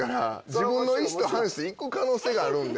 自分の意思と反して行く可能性があるんで。